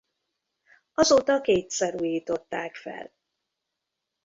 Azóta kétszer újították fel.